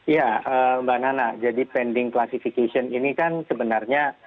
ya mbak nana jadi pending classification ini kan sebenarnya